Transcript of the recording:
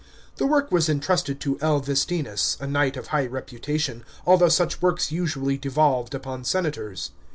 The work was entrusted to L. Vestinus, a knight of high reputation, although such works usually devolved upon senators.